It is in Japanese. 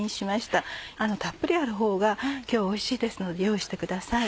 たっぷりあるほうが今日はおいしいですので用意してください。